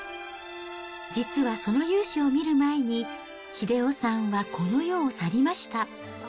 実はその雄姿を見る前に、秀雄さんはこの世を去りました。